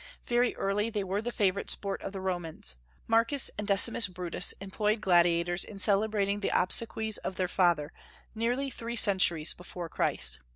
Very early they were the favorite sport of the Romans. Marcus and Decimus Brutus employed gladiators in celebrating the obsequies of their fathers, nearly three centuries before Christ.